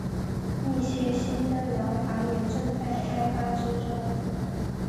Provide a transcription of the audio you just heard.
一些新的疗法也正在开发之中。